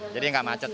jadi nggak macet